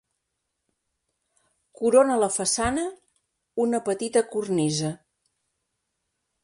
Corona la façana una petita cornisa.